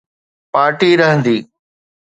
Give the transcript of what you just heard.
Party رهندي.